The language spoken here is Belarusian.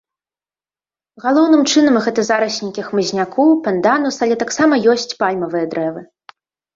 Галоўным чынам, гэта зараснікі хмызняку, панданус, але таксама ёсць пальмавыя дрэвы.